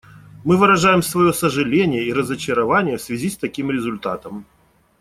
Мы выражаем свое сожаление и разочарование в связи с таким результатом.